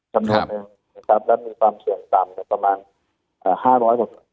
สำนวนหนึ่งและมีความเสี่ยงต่ำประมาณ๕๐๐๖๐๐คน